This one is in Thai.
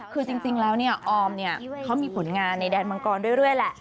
คือจริงแล้วออมเขามีผลงานในแดนมังกรเรื่อยแหละ